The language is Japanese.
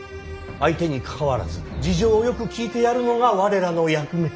相手にかかわらず事情をよく聞いてやるのが我らの役目。